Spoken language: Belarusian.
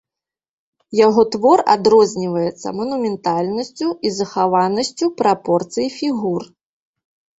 Яго твор адрозніваецца манументальнасцю і захаванасцю прапорцый фігур.